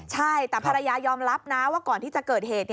ใช่แต่ภรรยายอมรับนะว่าก่อนที่จะเกิดเหตุ